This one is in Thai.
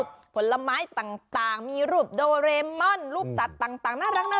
ผลไม้ต่างมีรูปโดเรมอนรูปสัตว์ต่างน่ารักนะ